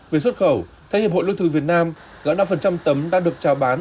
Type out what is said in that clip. về xuất khẩu theo hiệp hội luân thư việt nam gã năm tấm đang được trào bán